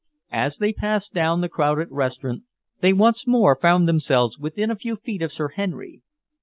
As they passed down the crowded restaurant they once more found themselves within a few feet of Sir Henry.